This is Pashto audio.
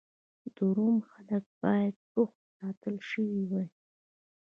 د روم خلک باید بوخت ساتل شوي وای